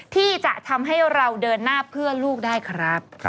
ที่จะทำให้เราเดินหน้าเพื่อลูกได้ครับ